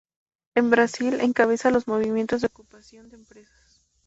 En Brasil encabeza los movimientos de ocupación de empresas.